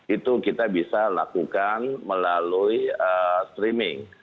itu kita bisa lakukan melalui streaming